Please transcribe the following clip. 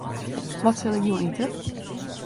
Wat sil ik jûn ite?